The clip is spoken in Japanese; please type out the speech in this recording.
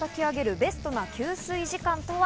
ベストな吸水時間とは？